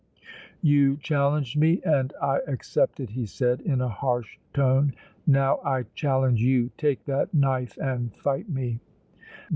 "You challenged me and I accepted!" he said, in a harsh tone. "Now I challenge you! Take that knife and fight me!"